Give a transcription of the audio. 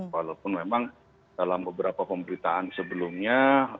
walaupun memang dalam beberapa pemberitaan sebelumnya